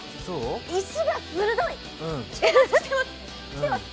石が鋭い！